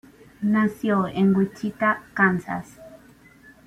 Nació en Wichita, Kansas.